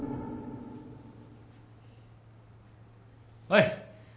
はい。